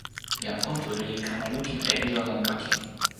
jan Kuntuli li kama lukin e ilo nanpa kin.